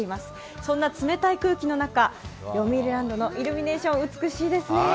そんな冷たい空気の中よみうりランドのイルミネーション美しいですね。